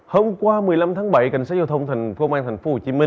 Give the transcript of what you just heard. hôm qua một mươi năm tháng bảy cảnh sát giao thông thành công an tp hcm